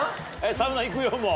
サウナ行くよもう。